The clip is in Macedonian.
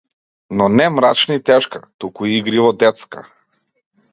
Но не мрачна и тешка, туку игриво детска.